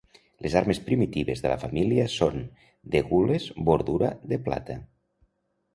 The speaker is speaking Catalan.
Les armes primitives de la família són: de gules, bordura de plata.